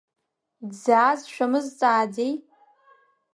Дзааз шәамызҵааӡеи?